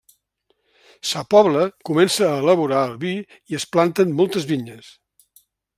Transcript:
Sa Pobla comença a elaborar el vi i es planten moltes vinyes.